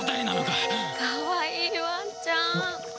かわいいワンちゃん！